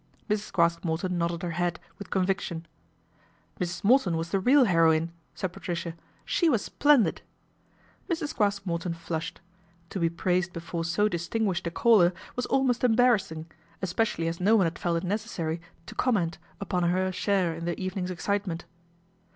GALVIN HOUSE AFTER THE RAID 277 Mrs. Craske Morton nodded her head with conviction. " Mrs. Morton was the real heroine," said Patricia. " She was splendid !" Mrs. Craske Morton flushed. To be praised before so distinguished a caller was almost embarrassing, especially as no one had felt it necessary to comment upon her share in the evening's excitement.